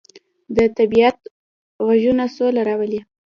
د طبیعت غږونه سوله راولي.